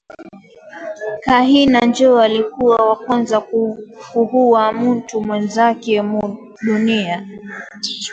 Kahina njo alikuwa wakwanza kuhuwa muntu mwenzake mu dunia